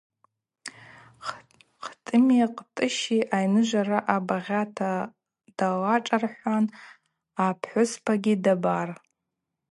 Кӏтӏыми Кӏтӏыщи айныжв Араъа багъьата далашӏархӏватӏ, Апхӏвыспагьи дабар.